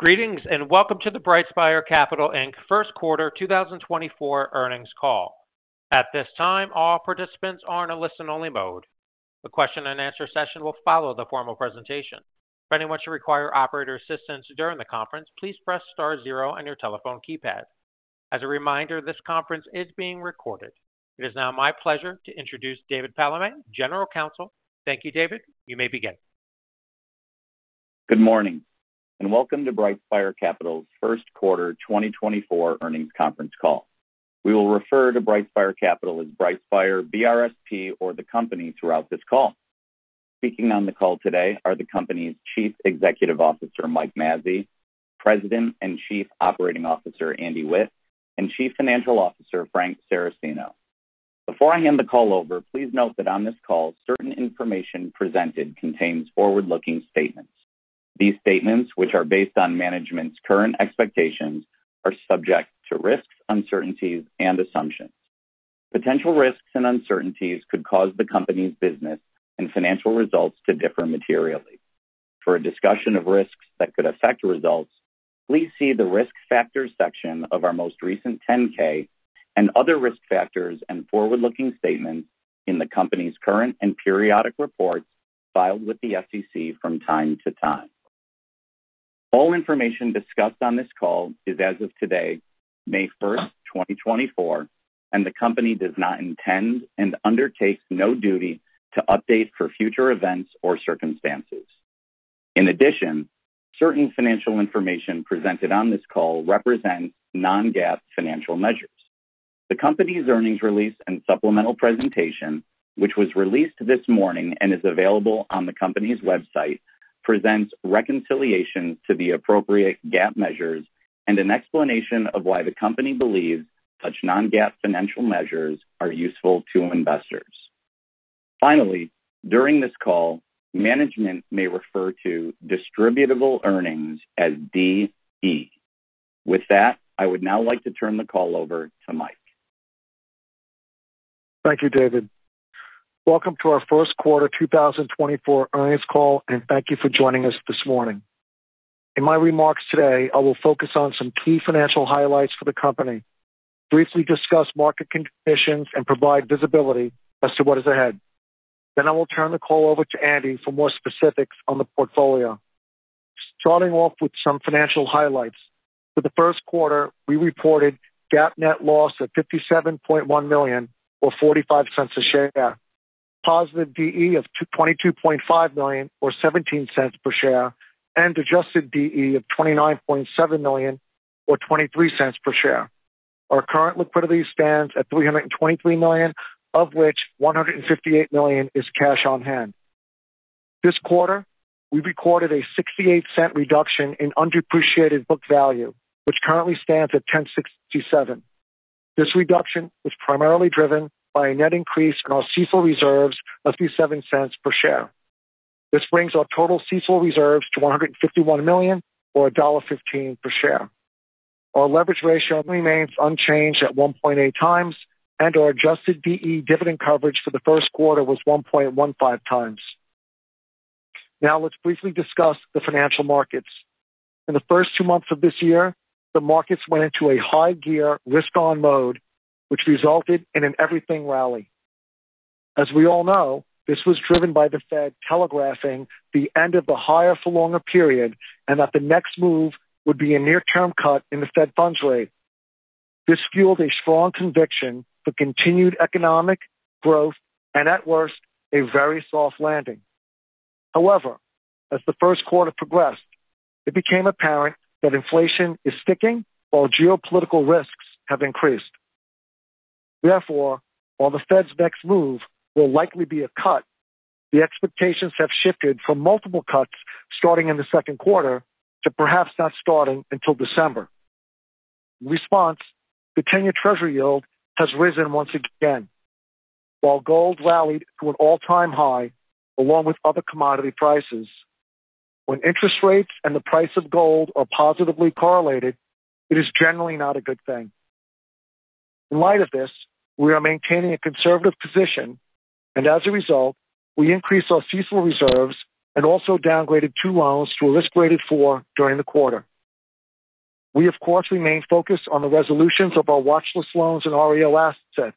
Greetings, and welcome to the BrightSpire Capital Inc. 1Q 2024 Earnings Call. At this time, all participants are in a listen-only mode. The question and answer session will follow the formal presentation. If anyone should require operator assistance during the conference, please press star zero on your telephone keypad. As a reminder, this conference is being recorded. It is now my pleasure to introduce David Palamé, General Counsel. Thank you, David. You may begin. Good morning, and welcome to BrightSpire Capital's 1Q 2024 Earnings Conference Call. We will refer to BrightSpire Capital as BrightSpire, BRSP, or the company throughout this call. Speaking on the call today are the company's Chief Executive Officer, Mike Mazzei, President and Chief Operating Officer, Andy Witt, and Chief Financial Officer, Frank Saraceno. Before I hand the call over, please note that on this call, certain information presented contains forward-looking statements. These statements, which are based on management's current expectations, are subject to risks, uncertainties and assumptions. Potential risks and uncertainties could cause the company's business and financial results to differ materially. For a discussion of risks that could affect results, please see the Risk Factors section of our most recent 10-K and other risk factors and forward-looking statements in the company's current and periodic reports filed with the SEC from time to time. All information discussed on this call is as of today, May 1, 2024, and the company does not intend and undertakes no duty to update for future events or circumstances. In addition, certain financial information presented on this call represents non-GAAP financial measures. The company's earnings release and supplemental presentation, which was released this morning and is available on the company's website, presents reconciliation to the appropriate GAAP measures and an explanation of why the company believes such non-GAAP financial measures are useful to investors. Finally, during this call, management may refer to distributable earnings as DE. With that, I would now like to turn the call over to Mike. Thank you, David. Welcome to our 1Q 2024 earnings call, and thank you for joining us this morning. In my remarks today, I will focus on some key financial highlights for the company, briefly discuss market conditions, and provide visibility as to what is ahead. I will turn the call over to Andy for more specifics on the portfolio. Starting off with some financial highlights. For the 1Q, we reported GAAP net loss of $57.1 million, or $0.45 per share, positive DE of $22.5 million, or $0.17 per share, and adjusted DE of $29.7 million, or $0.23 per share. Our current liquidity stands at $323 million, of which $158 million is cash on hand. This quarter, we recorded a $0.68 reduction in undepreciated book value, which currently stands at $10.67. This reduction was primarily driven by a net increase in our CECL reserves of $0.37 per share. This brings our total CECL reserves to $151 million, or $1.15 per share. Our leverage ratio remains unchanged at 1.8x, and our adjusted DE dividend coverage for the 1Q was 1.15x. Now, let's briefly discuss the financial markets. In the first two months of this year, the markets went into a high gear risk-on mode, which resulted in an everything rally. As we all know, this was driven by the Fed telegraphing the end of the higher for longer period and that the next move would be a near-term cut in the Fed funds rate. This fueled a strong conviction for continued economic growth and at worst, a very soft landing. However, as the 1Q progressed, it became apparent that inflation is sticking while geopolitical risks have increased. Therefore, while the Fed's next move will likely be a cut, the expectations have shifted from multiple cuts starting in the second quarter to perhaps not starting until December. In response, the 10-year Treasury yield has risen once again, while gold rallied to an all-time high, along with other commodity prices. When interest rates and the price of gold are positively correlated, it is generally not a good thing. In light of this, we are maintaining a conservative position, and as a result, we increased our CECL reserves and also downgraded two loans to a risk rating four during the quarter. We, of course, remain focused on the resolutions of our watchlist loans and REO assets,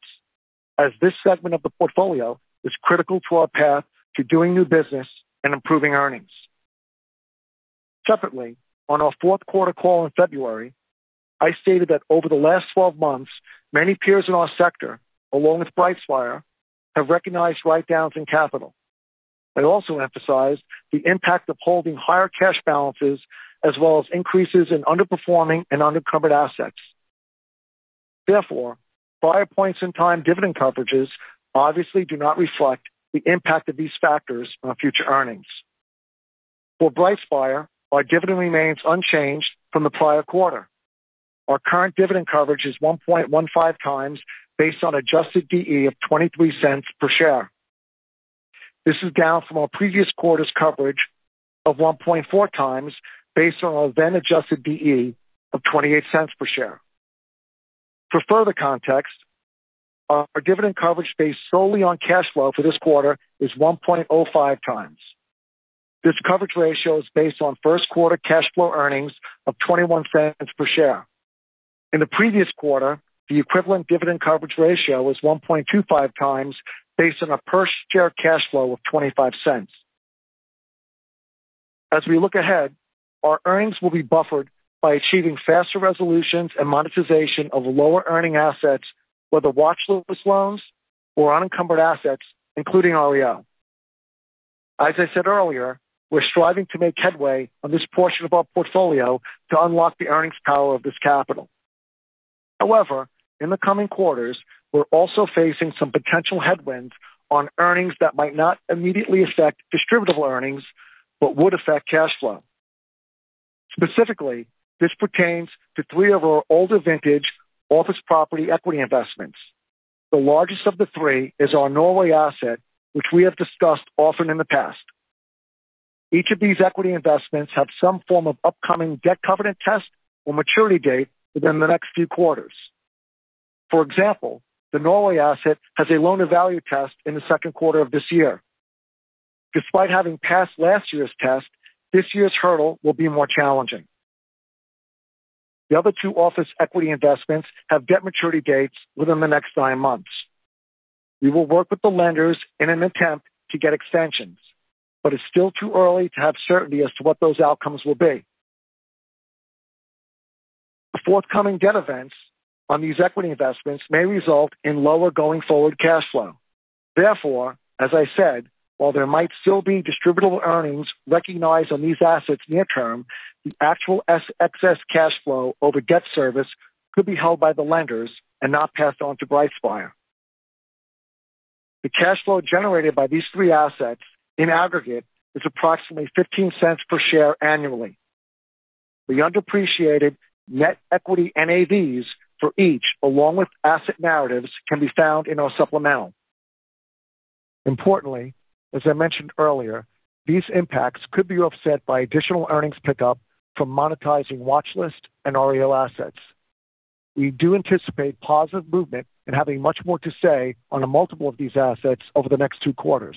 as this segment of the portfolio is critical to our path to doing new business and improving earnings. Separately, on our 4Q call in February, I stated that over the last 12 months, many peers in our sector, along with BrightSpire, have recognized write-downs in capital. I also emphasized the impact of holding higher cash balances as well as increases in underperforming and undercovered assets. Therefore, prior points in time dividend coverages obviously do not reflect the impact of these factors on future earnings. For BrightSpire, our dividend remains unchanged from the prior quarter. Our current dividend coverage is 1.15x based on adjusted DE of $0.23 per share. This is down from our previous quarter's coverage of 1.4x based on our then-adjusted DE of $0.28 per share. For further context, our dividend coverage based solely on cash flow for this quarter is 1.05 times. This coverage ratio is based on 1Q cash flow earnings of $0.21 per share. In the previous quarter, the equivalent dividend coverage ratio was 1.25x, based on a per share cash flow of $0.25. As we look ahead, our earnings will be buffered by achieving faster resolutions and monetization of lower earning assets, whether watchlist loans or unencumbered assets, including REO. As I said earlier, we're striving to make headway on this portion of our portfolio to unlock the earnings power of this capital. However, in the coming quarters, we're also facing some potential headwinds on earnings that might not immediately affect distributable earnings, but would affect cash flow. Specifically, this pertains to three of our older vintage office property equity investments. The largest of the three is our Norway asset, which we have discussed often in the past. Each of these equity investments have some form of upcoming debt covenant test or maturity date within the next few quarters. For example, the Norway asset has a loan-to-value test in the second quarter of this year. Despite having passed last year's test, this year's hurdle will be more challenging. The other 2 office equity investments have debt maturity dates within the next nine months. We will work with the lenders in an attempt to get extensions, but it's still too early to have certainty as to what those outcomes will be. The forthcoming debt events on these equity investments may result in lower going forward cash flow. Therefore, as I said, while there might still be distributable earnings recognized on these assets near term, the actual excess cash flow over debt service could be held by the lenders and not passed on to BrightSpire. The cash flow generated by these three assets in aggregate is approximately $0.15 per share annually. The undepreciated net equity NAVs for each, along with asset narratives, can be found in our supplemental. Importantly, as I mentioned earlier, these impacts could be offset by additional earnings pickup from monetizing watchlist and REO assets. We do anticipate positive movement and having much more to say on a multiple of these assets over the next 2 quarters.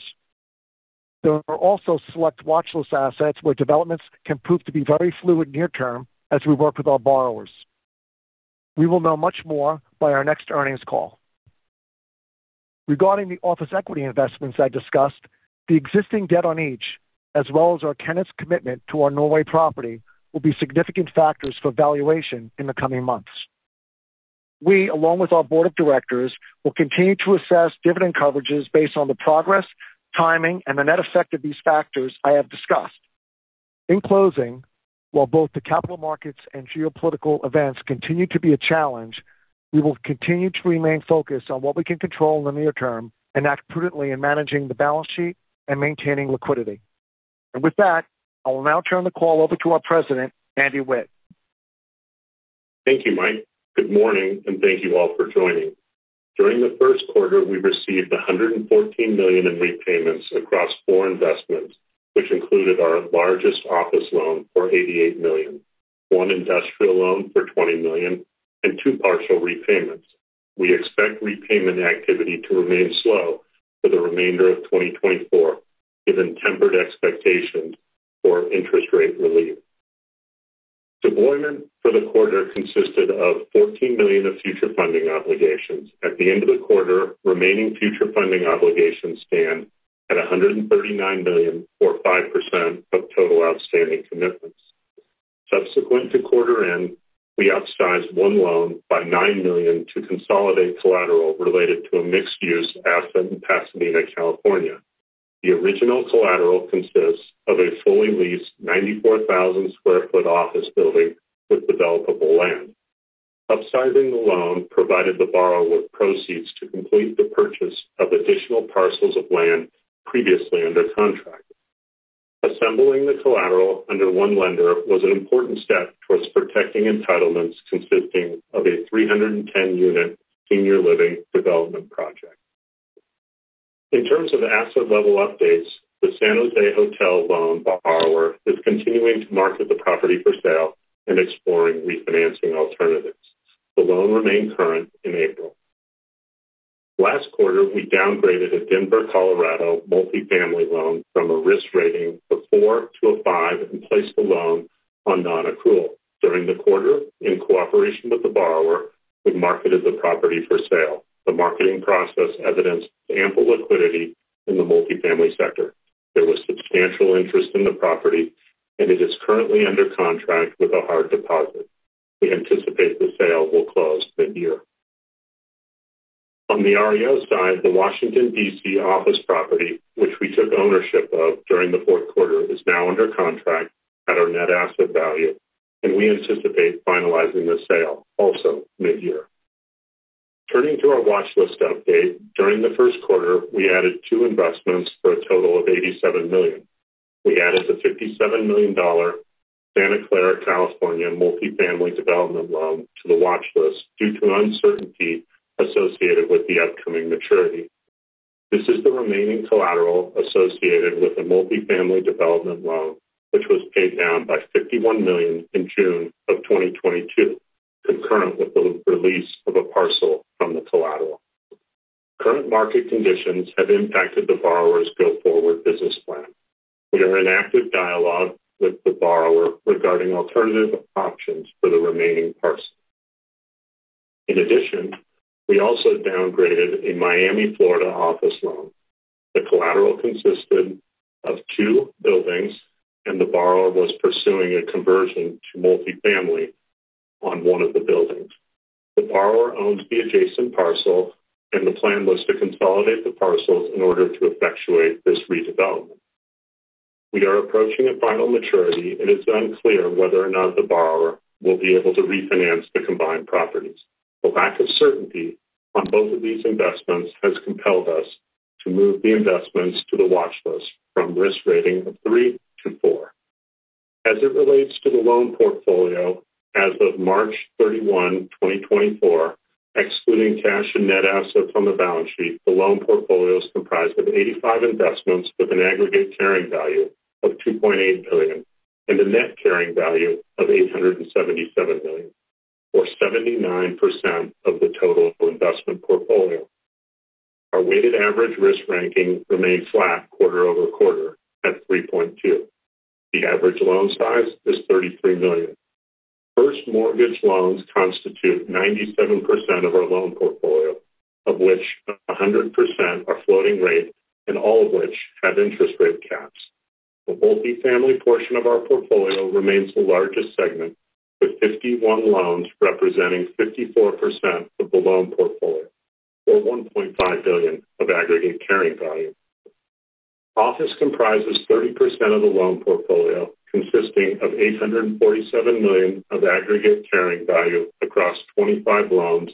There are also select watchlist assets where developments can prove to be very fluid near term as we work with our borrowers. We will know much more by our next earnings call. Regarding the office equity investments I discussed, the existing debt on each, as well as our tenant's commitment to our Norway property, will be significant factors for valuation in the coming months. We, along with our board of directors, will continue to assess dividend coverages based on the progress, timing, and the net effect of these factors I have discussed. In closing, while both the capital markets and geopolitical events continue to be a challenge, we will continue to remain focused on what we can control in the near term and act prudently in managing the balance sheet and maintaining liquidity. With that, I will now turn the call over to our President, Andy Witt. Thank you, Mike. Good morning, and thank you all for joining. During the 1Q, we received $114 million in repayments across four investments, which included our largest office loan for $88 million, one industrial loan for $20 million and two partial repayments. We expect repayment activity to remain slow for the remainder of 2024, given tempered expectations for interest rate relief. Deployment for the quarter consisted of $14 million of future funding obligations. At the end of the quarter, remaining future funding obligations stand at $139 million, or 5% of total outstanding commitments. Subsequent to quarter end, we upsized one loan by $9 million to consolidate collateral related to a mixed-use asset in Pasadena, California. The original collateral consists of a fully leased 94,000 sq ft office building with developable land. Upsizing the loan provided the borrower with proceeds to complete the purchase of additional parcels of land previously under contract. Assembling the collateral under one lender was an important step towards protecting entitlements consisting of a 310-unit senior living development project. In terms of asset level updates, the San Jose hotel loan borrower is continuing to market the property for sale and exploring refinancing alternatives. The loan remained current in April. Last quarter, we downgraded a Denver, Colorado, multifamily loan from a risk rating of 4 - 5 and placed the loan on non-accrual. During the quarter, in cooperation with the borrower, we marketed the property for sale. The marketing process evidenced ample liquidity in the multifamily sector. There was substantial interest in the property, and it is currently under contract with a hard deposit. We anticipate the sale will close mid-year. On the REO side, the Washington, D.C., office property, which we took ownership of during the 4Q, is now under contract at our net asset value, and we anticipate finalizing the sale also mid-year. Turning to our watchlist update. During the 1Q, we added two investments for a total of $87 million. We added the $57 million Santa Clara, California, multifamily development loan to the watchlist due to an uncertainty associated with the upcoming maturity.... This is the remaining collateral associated with the multifamily development loan, which was paid down by $51 million in June of 2022, concurrent with the release of a parcel from the collateral. Current market conditions have impacted the borrower's go-forward business plan. We are in active dialogue with the borrower regarding alternative options for the remaining parcel. In addition, we also downgraded a Miami, Florida, office loan. The collateral consisted of 2 buildings, and the borrower was pursuing a conversion to multifamily on one of the buildings. The borrower owns the adjacent parcel, and the plan was to consolidate the parcels in order to effectuate this redevelopment. We are approaching a final maturity, and it's unclear whether or not the borrower will be able to refinance the combined properties. The lack of certainty on both of these investments has compelled us to move the investments to the watchlist from risk rating of 3-4. As it relates to the loan portfolio, as of March 31, 2024, excluding cash and net assets on the balance sheet, the loan portfolio is comprised of 85 investments with an aggregate carrying value of $2.8 billion and a net carrying value of $877 million, or 79% of the total investment portfolio. Our weighted average risk ranking remains flat quarter-over-quarter at 3.2. The average loan size is $33 million. First mortgage loans constitute 97% of our loan portfolio, of which 100% are floating rate and all of which have interest rate caps. The multifamily portion of our portfolio remains the largest segment, with 51 loans representing 54% of the loan portfolio or $1.5 billion of aggregate carrying value. Office comprises 30% of the loan portfolio, consisting of $847 million of aggregate carrying value across 25 loans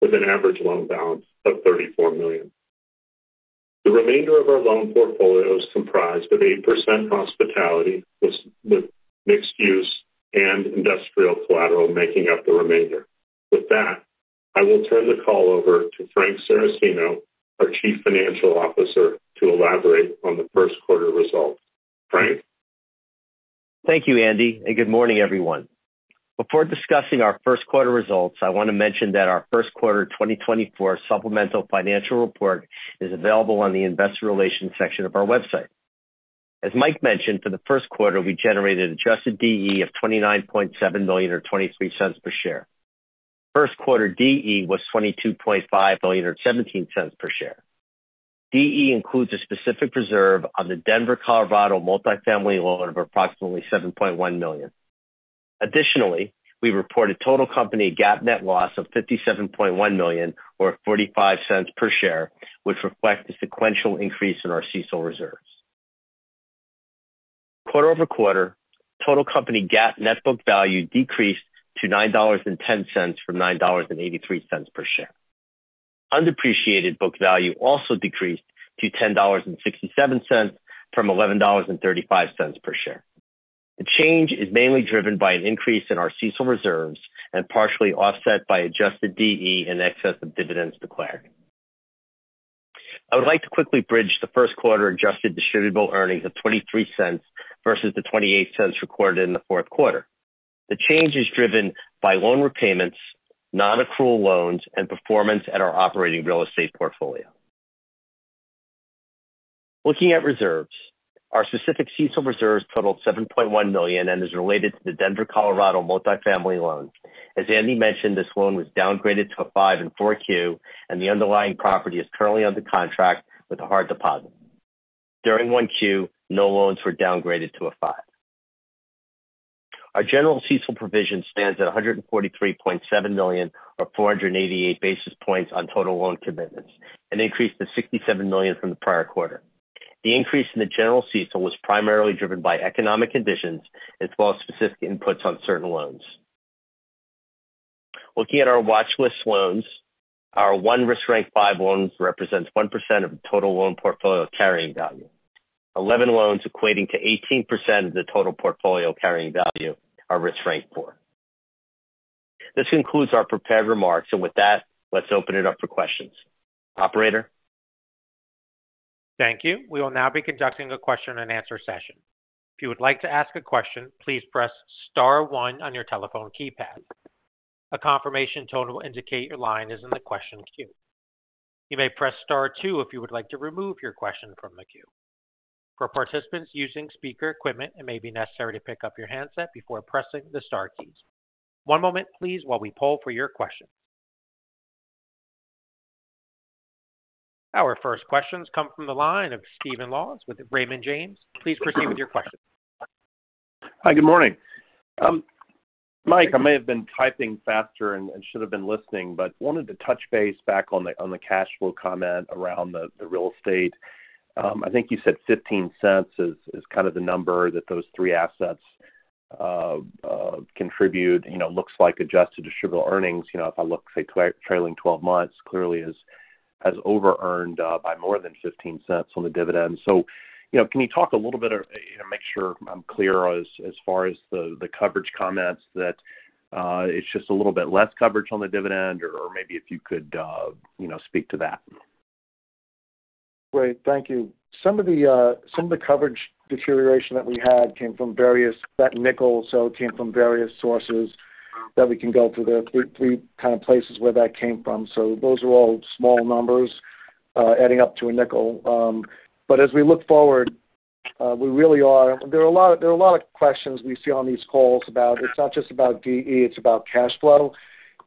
with an average loan balance of $34 million. The remainder of our loan portfolio is comprised of 8% hospitality, with mixed use and industrial collateral making up the remainder. With that, I will turn the call over to Frank Saracino, our Chief Financial Officer, to elaborate on the 1Q results. Frank? Thank you, Andy, and good morning, everyone. Before discussing our 1Q results, I want to mention that our 1Q 2024 supplemental financial report is available on the investor relations section of our website. As Mike mentioned, for the 1Q, we generated adjusted DE of $29.7 million, or $0.23 per share. 1Q DE was $22.5 million, or $0.17 per share. DE includes a specific reserve on the Denver, Colorado, multifamily loan of approximately $7.1 million. Additionally, we reported total company GAAP net loss of $57.1 million, or $0.45 per share, which reflects the sequential increase in our CECL reserves. Quarter-over-quarter, total company GAAP net book value decreased to $9.10 from $9.83 per share. Undepreciated book value also decreased to $10.67 from $11.35 per share. The change is mainly driven by an increase in our CECL reserves and partially offset by adjusted DE in excess of dividends declared. I would like to quickly bridge the 1Q adjusted distributable earnings of $0.23 versus the $0.28 recorded in the 4Q. The change is driven by loan repayments, non-accrual loans, and performance at our operating real estate portfolio. Looking at reserves, our specific CECL reserves totaled $7.1 million and is related to the Denver, Colorado, multifamily loan. As Andy mentioned, this loan was downgraded to a 5 in Q4, and the underlying property is currently under contract with a hard deposit. During Q1, no loans were downgraded to a 5. Our general CECL provision stands at $143.7 million, or 488 basis points on total loan commitments, an increase to $67 million from the prior quarter. The increase in the general CECL was primarily driven by economic conditions, as well as specific inputs on certain loans. Looking at our watch list loans, our 1 risk rank 5 loan represents 1% of total loan portfolio carrying value. 11 loans equating to 18% of the total portfolio carrying value are risk rank 4. This concludes our prepared remarks, and with that, let's open it up for questions. Operator? Thank you. We will now be conducting a question-and-answer session. If you would like to ask a question, please press star one on your telephone keypad. A confirmation tone will indicate your line is in the question queue. You may press star two if you would like to remove your question from the queue. For participants using speaker equipment, it may be necessary to pick up your handset before pressing the star keys. One moment, please, while we poll for your question. Our first questions come from the line of Stephen Laws with Raymond James. Please proceed with your question. Hi, good morning. Mike, I may have been typing faster and should have been listening, but wanted to touch base back on the cash flow comment around the real estate. I think you said $0.15 is kind of the number that those three assets contribute. You know, looks like adjusted distributable earnings, you know, if I look, say, trailing twelve months, clearly has overearned by more than $0.15 on the dividend. So, you know, can you talk a little bit or, you know, make sure I'm clear as far as the coverage comments that it's just a little bit less coverage on the dividend, or maybe if you could, you know, speak to that?... Great. Thank you. Some of the, some of the coverage deterioration that we had came from various, that nickel, so it came from various sources that we can go through the three kind of places where that came from. So those are all small numbers, adding up to a nickel. But as we look forward, we really are—there are a lot, there are a lot of questions we see on these calls about it's not just about DE, it's about cash flow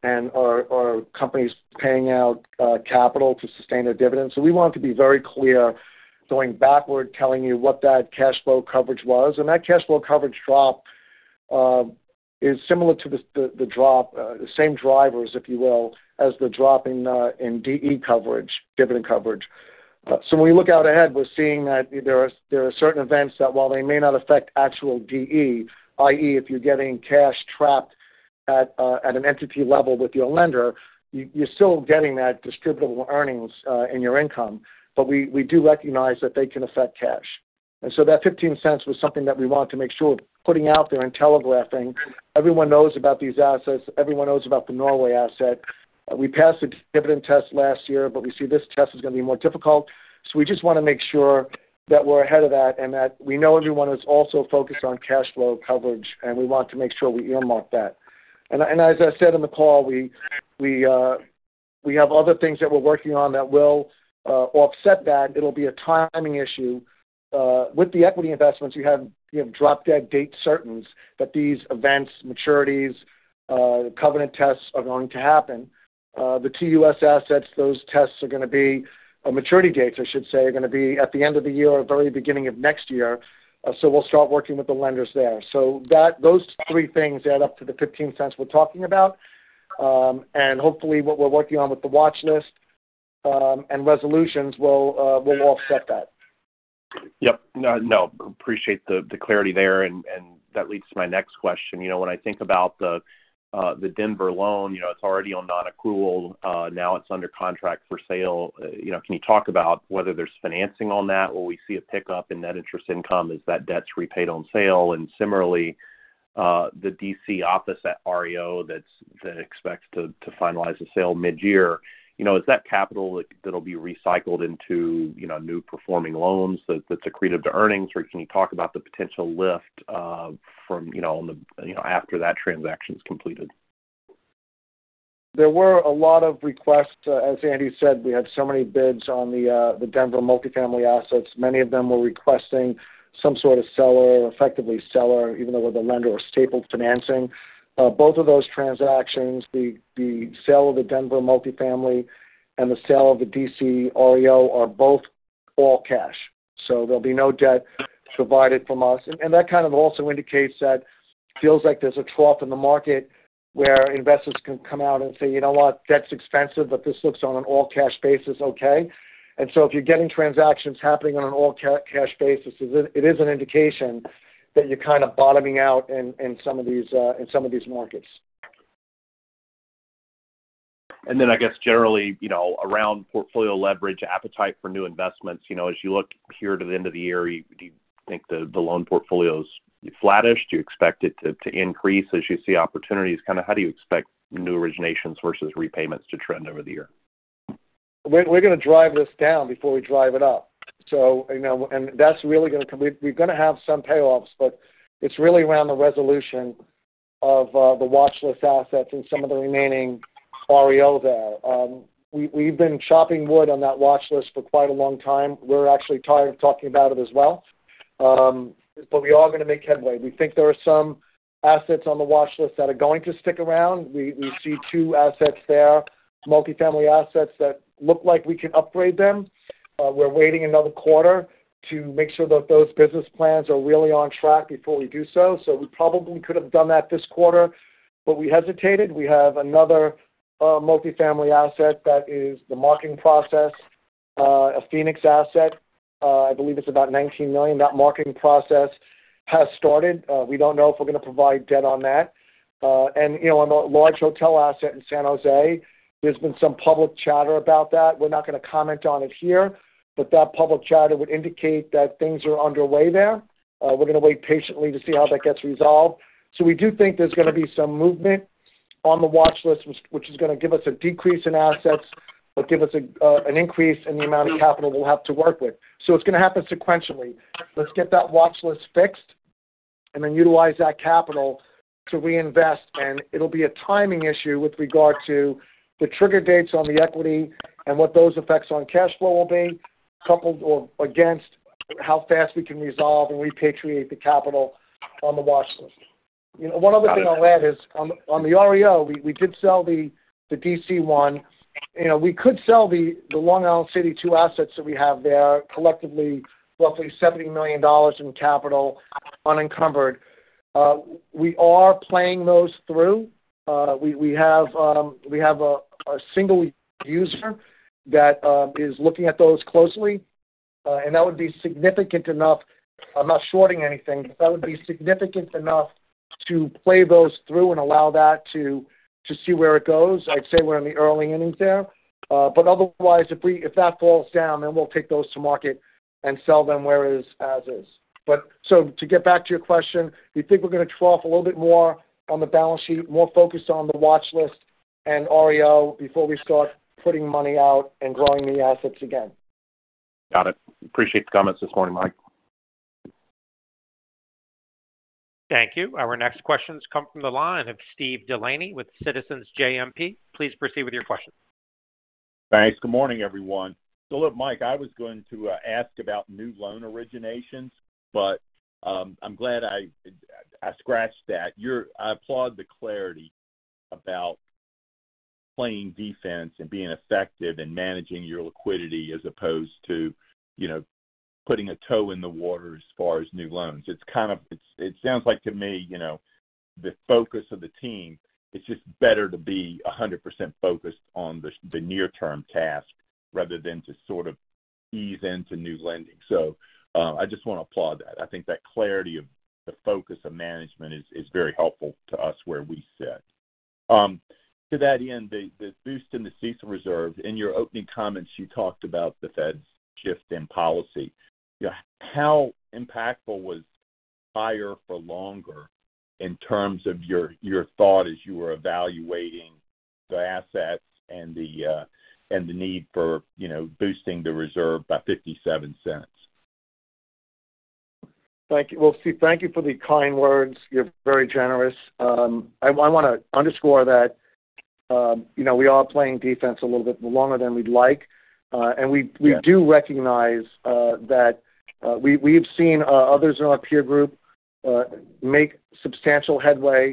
and are companies paying out, capital to sustain their dividends? So we want to be very clear, going backward, telling you what that cash flow coverage was. And that cash flow coverage drop, is similar to the drop, the same drivers, if you will, as the drop in, in DE coverage, dividend coverage. So when we look out ahead, we're seeing that there are certain events that while they may not affect actual DE, i.e., if you're getting cash trapped at an entity level with your lender, you're still getting that distributable earnings in your income. But we do recognize that they can affect cash. And so that $0.15 was something that we want to make sure putting out there and telegraphing. Everyone knows about these assets. Everyone knows about the Norway asset. We passed the dividend test last year, but we see this test is going to be more difficult. So we just want to make sure that we're ahead of that and that we know everyone is also focused on cash flow coverage, and we want to make sure we earmark that. As I said in the call, we have other things that we're working on that will offset that. It'll be a timing issue. With the equity investments, you have drop-dead date certains that these events, maturities, covenant tests are going to happen. The two U.S. assets, those tests are going to be, or maturity dates, I should say, are going to be at the end of the year or very beginning of next year. So we'll start working with the lenders there. So that those three things add up to the $0.15 we're talking about. And hopefully, what we're working on with the watchlist and resolutions will offset that. Yep. No, no, appreciate the clarity there, and that leads to my next question. You know, when I think about the Denver loan, you know, it's already on non-accrual, now it's under contract for sale. You know, can you talk about whether there's financing on that? Will we see a pickup in net interest income? Is that debts repaid on sale? And similarly, the D.C. office at REO, that's expected to finalize the sale mid-year. You know, is that capital that'll be recycled into new performing loans that's accretive to earnings? Or can you talk about the potential lift from, you know, after that transaction is completed? There were a lot of requests. As Andy said, we had so many bids on the Denver multifamily assets. Many of them were requesting some sort of seller, effectively seller, even though with a lender or stapled financing. Both of those transactions, the sale of the Denver multifamily and the sale of the DC REO are both all cash, so there'll be no debt provided from us. And that kind of also indicates that feels like there's a trough in the market where investors can come out and say, "You know what? That's expensive, but this looks on an all-cash basis, okay." And so if you're getting transactions happening on an all-cash basis, it is an indication that you're kind of bottoming out in some of these markets. Then I guess generally, you know, around portfolio leverage, appetite for new investments, you know, as you look here to the end of the year, do you think the loan portfolio is flattish? Do you expect it to increase as you see opportunities? Kind of how do you expect new originations versus repayments to trend over the year? We're going to drive this down before we drive it up. So you know, and that's really going to. We're going to have some payoffs, but it's really around the resolution of the watchlist assets and some of the remaining REO there. We've been chopping wood on that watchlist for quite a long time. We're actually tired of talking about it as well. But we are going to make headway. We think there are some assets on the watchlist that are going to stick around. We see two assets there, multifamily assets that look like we can upgrade them. We're waiting another quarter to make sure that those business plans are really on track before we do so. So we probably could have done that this quarter, but we hesitated. We have another multifamily asset that is the marketing process, a Phoenix asset. I believe it's about $19 million. That marketing process has started. We don't know if we're going to provide debt on that. And, you know, on the large hotel asset in San Jose, there's been some public chatter about that. We're not going to comment on it here, but that public chatter would indicate that things are underway there. We're going to wait patiently to see how that gets resolved. So we do think there's going to be some movement on the watch list, which is going to give us a decrease in assets, but give us an increase in the amount of capital we'll have to work with. So it's going to happen sequentially. Let's get that watchlist fixed and then utilize that capital to reinvest, and it'll be a timing issue with regard to the trigger dates on the equity and what those effects on cash flow will be, coupled or against how fast we can resolve and repatriate the capital on the watchlist. You know, one other thing on that is on the REO, we did sell the D.C. one. You know, we could sell the Long Island City 2 assets that we have there, collectively, roughly $70 million in capital unencumbered. We are playing those through. We have a single user that is looking at those closely, and that would be significant enough. I'm not shorting anything, but that would be significant enough to play those through and allow that to see where it goes. I'd say we're in the early innings there. But otherwise, if that falls down, then we'll take those to market and sell them where is as is. But so to get back to your question, we think we're going to trough a little bit more on the balance sheet, more focused on the watch list... and REO before we start putting money out and growing new assets again. Got it. Appreciate the comments this morning, Mike. Thank you. Our next questions come from the line of Steve Delaney with Citizens JMP. Please proceed with your question. Thanks. Good morning, everyone. So look, Mike, I was going to ask about new loan originations, but I'm glad I scratched that. You're I applaud the clarity about playing defense and being effective and managing your liquidity as opposed to, you know, putting a toe in the water as far as new loans. It's kind of it sounds like to me, you know, the focus of the team. It's just better to be 100% focused on the near-term task rather than to sort of ease into new lending. So I just want to applaud that. I think that clarity of the focus of management is very helpful to us where we sit. To that end, the boost in the CECL reserve, in your opening comments, you talked about the Fed's shift in policy. How impactful was higher for longer in terms of your, your thought as you were evaluating the assets and the, and the need for, you know, boosting the reserve by $0.57? Thank you. Well, Steve, thank you for the kind words. You're very generous. I wanna underscore that, you know, we are playing defense a little bit longer than we'd like. And we- Yeah. We do recognize that we’ve seen others in our peer group make substantial headway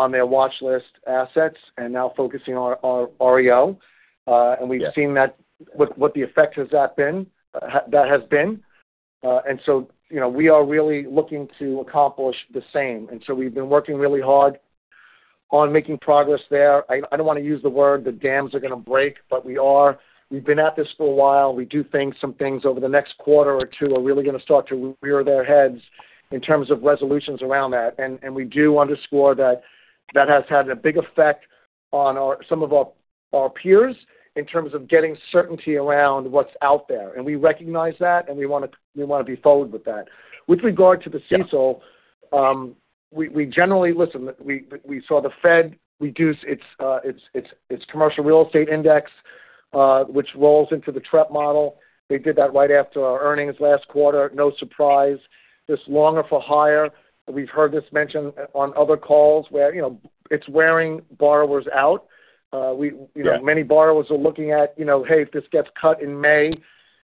on their watchlist assets and now focusing on our REO. Yeah. And we've seen that—what the effect has that been, that has been. And so, you know, we are really looking to accomplish the same. And so we've been working really hard on making progress there. I don't want to use the word the dams are going to break, but we are. We've been at this for a while. We do think some things over the next quarter or two are really going to start to rear their heads in terms of resolutions around that. And we do underscore that that has had a big effect on our, some of our peers in terms of getting certainty around what's out there. And we recognize that, and we wanna be forward with that. With regard to the CECL- Yeah ... we generally saw the Fed reduce its commercial real estate index, which rolls into the Trepp model. They did that right after our earnings last quarter. No surprise. This longer for higher, we've heard this mentioned on other calls where, you know, it's wearing borrowers out. We- Yeah. You know, many borrowers are looking at, you know, "Hey, if this gets cut in May,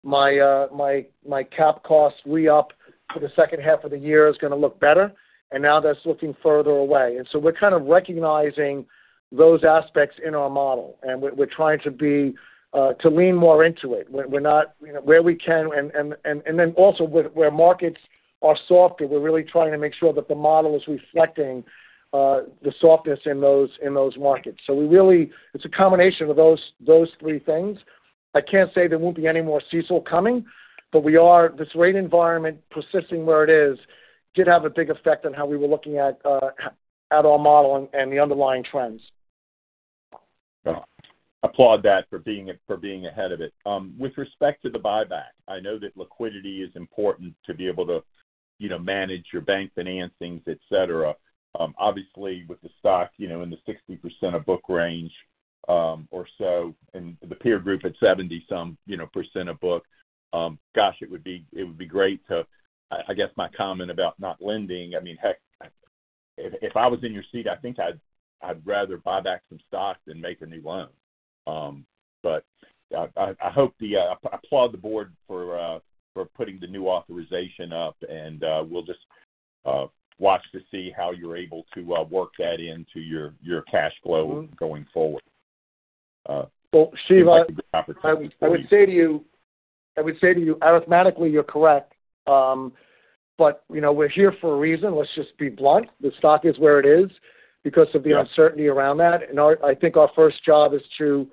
my, my cap costs re-up for the second half of the year is going to look better," and now that's looking further away. So we're kind of recognizing those aspects in our model, and we're trying to be to lean more into it. We're not, you know, where we can, and then also where markets are softer, we're really trying to make sure that the model is reflecting the softness in those markets. So we really, it's a combination of those three things. I can't say there won't be any more CECL coming, but we are—this rate environment persisting where it is did have a big effect on how we were looking at, at our model and, and the underlying trends. Applaud that for being ahead of it. With respect to the buyback, I know that liquidity is important to be able to, you know, manage your bank financings, et cetera. Obviously, with the stock, you know, in the 60% of book range, or so, and the peer group at 70-some%, you know, gosh, it would be, it would be great to-- I guess my comment about not lending, I mean, heck, if I was in your seat, I think I'd rather buy back some stock than make a new loan. But I hope the, I applaud the board for putting the new authorization up, and we'll just watch to see how you're able to work that into your cash flow-... going forward. Well, Steve, I- Thanks for the opportunity. I would say to you, I would say to you, arithmetically, you're correct. But, you know, we're here for a reason. Let's just be blunt. The stock is where it is. Yeah... because of the uncertainty around that. Our, I think our first job is to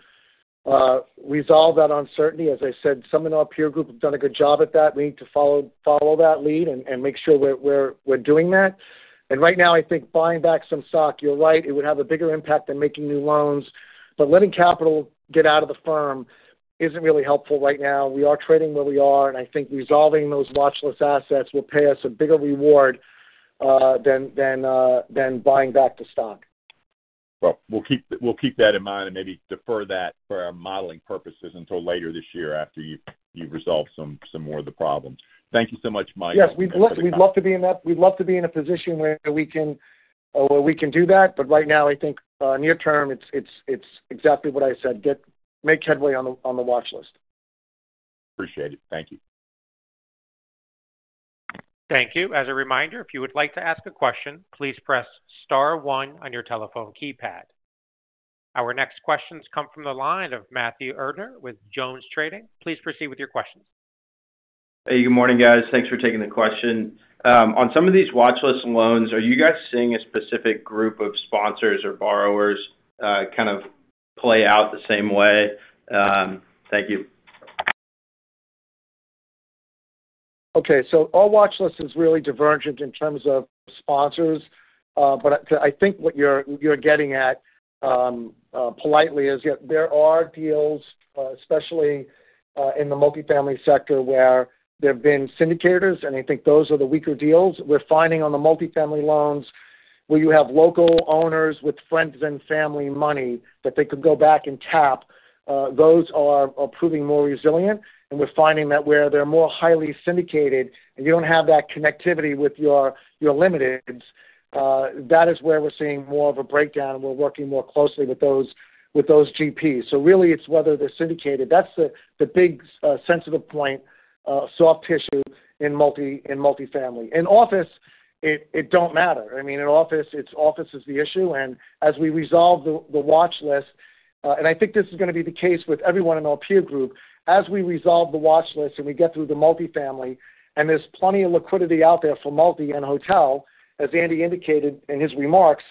resolve that uncertainty. As I said, some in our peer group have done a good job at that. We need to follow that lead and make sure we're doing that. And right now, I think buying back some stock, you're right, it would have a bigger impact than making new loans, but letting capital get out of the firm isn't really helpful right now. We are trading where we are, and I think resolving those watch list assets will pay us a bigger reward than buying back the stock. Well, we'll keep that in mind and maybe defer that for our modeling purposes until later this year after you've resolved some more of the problems. Thank you so much, Mike. Yes, we'd love to, we'd love to be in that. We'd love to be in a position where we can do that, but right now, I think near term, it's exactly what I said, make headway on the watchlist. Appreciate it. Thank you. Thank you. As a reminder, if you would like to ask a question, please press star one on your telephone keypad. Our next questions come from the line of Matthew Erdner with JonesTrading. Please proceed with your questions. Hey, good morning, guys. Thanks for taking the question. On some of these watch list loans, are you guys seeing a specific group of sponsors or borrowers, kind of play out the same way? Thank you. Okay, so our watch list is really divergent in terms of sponsors, but I, I think what you're, you're getting at, politely, is there are deals, especially, in the multifamily sector, where there have been syndicators, and I think those are the weaker deals. We're finding on the multifamily loans where you have local owners with friends and family money that they could go back and tap, those are proving more resilient, and we're finding that where they're more highly syndicated, and you don't have that connectivity with your, your limited, that is where we're seeing more of a breakdown, and we're working more closely with those GPs. So really, it's whether they're syndicated. That's the big, sensitive point, soft tissue in multifamily. In office, it don't matter. I mean, in office, it's office is the issue. And as we resolve the watchlist, and I think this is gonna be the case with everyone in our peer group. As we resolve the watchlist, and we get through the multifamily, and there's plenty of liquidity out there for multi and hotel, as Andy indicated in his remarks,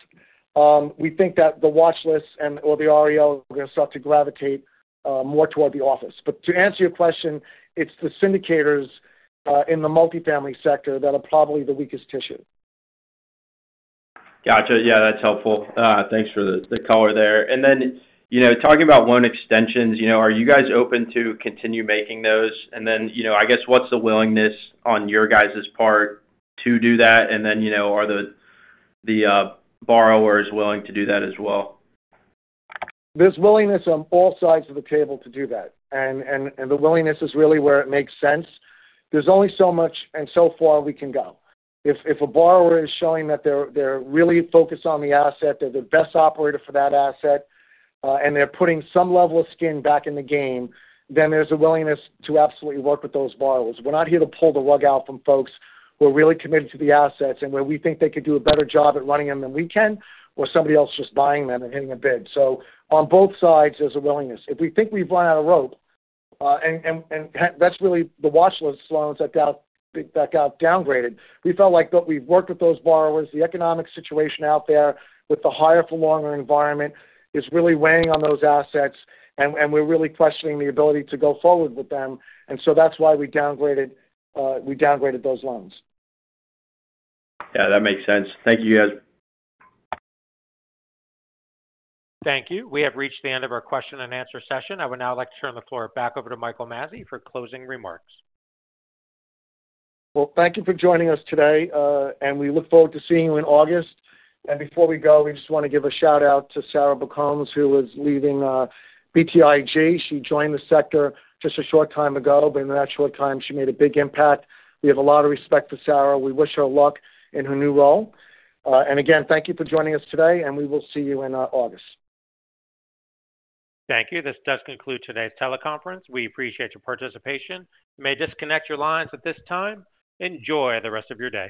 we think that the watchlist and- or the REO are gonna start to gravitate more toward the office. But to answer your question, it's the syndicators in the multifamily sector that are probably the weakest issue. Gotcha. Yeah, that's helpful. Thanks for the color there. And then, you know, talking about loan extensions, you know, are you guys open to continue making those? And then, you know, I guess, what's the willingness on your guys' part to do that? And then, you know, are the borrowers willing to do that as well? There's willingness on all sides of the table to do that, and the willingness is really where it makes sense. There's only so much and so far we can go. If a borrower is showing that they're really focused on the asset, they're the best operator for that asset, and they're putting some level of skin back in the game, then there's a willingness to absolutely work with those borrowers. We're not here to pull the rug out from folks who are really committed to the assets and where we think they could do a better job at running them than we can, or somebody else just buying them and hitting a bid. So on both sides, there's a willingness. If we think we've run out of rope, that's really the watchlist loans that got downgraded. We felt like that we've worked with those borrowers, the economic situation out there, with the higher for longer environment, is really weighing on those assets, and we're really questioning the ability to go forward with them, and so that's why we downgraded, we downgraded those loans. Yeah, that makes sense. Thank you, guys. Thank you. We have reached the end of our question-and-answer session. I would now like to turn the floor back over to Michael Mazzei for closing remarks. Well, thank you for joining us today, and we look forward to seeing you in August. And before we go, we just wanna give a shout-out to Sarah Barcomb, who is leaving BTIG. She joined the sector just a short time ago, but in that short time, she made a big impact. We have a lot of respect for Sarah. We wish her luck in her new role. And again, thank you for joining us today, and we will see you in August. Thank you. This does conclude today's teleconference. We appreciate your participation. You may disconnect your lines at this time. Enjoy the rest of your day.